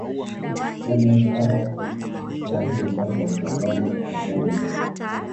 Ndani ya utawala wako kwa hiyo sasa ukazane kupambana nao